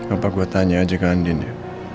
apa gue tanya aja kan andin ya